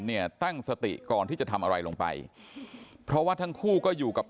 นั่งนั่งนั่งนั่งนั่งนั่งนั่งนั่งนั่งนั่งนั่งนั่งนั่งนั่งนั่ง